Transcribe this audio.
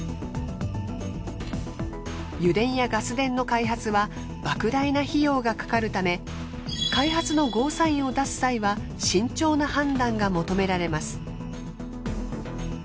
油田やガス田の開発は莫大な費用がかかるため開発のゴーサインを出す際は慎重な判断が求められます。